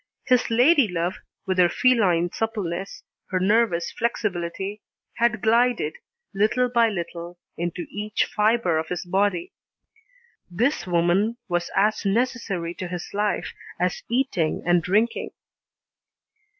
His ladylove, with her feline suppleness, her nervous flexibility, had glided, little by little, into each fibre of his body. This woman was as necessary to his life as eating and drinking.